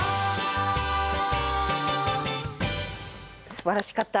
すばらしかった。